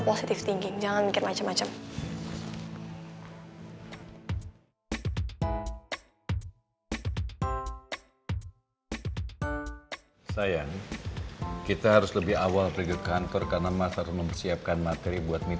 bisa aja mas aku jadi gak pengen minum